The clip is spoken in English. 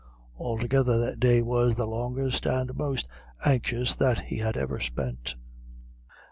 Altogether that day was the longest and the most anxious that he had ever spent.